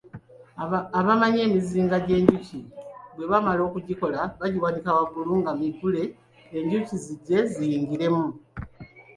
Abamanyi emizinga gy’enjuki bwe bamala okugikola bagiwanika waggulu nga miggule enjuki zijje ziyingiremu.